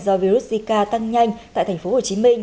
do virus zika tăng nhanh tại tp hcm